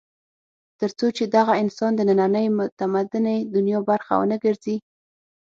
تر څو چې دغه انسان د نننۍ متمدنې دنیا برخه ونه ګرځي.